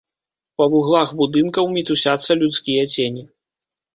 Па вуглах будынкаў мітусяцца людскія цені.